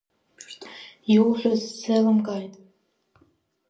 Иуҳәаз сзеилымкааит…